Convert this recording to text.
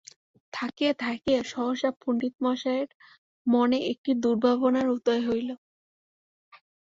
থাকিয়া থাকিয়া সহসা পণ্ডিতমহাশয়ের মনে একটি দুর্ভাবনার উদয় হইল।